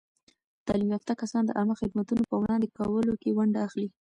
تعلیم یافته کسان د عامه خدمتونو په وړاندې کولو کې ونډه اخلي.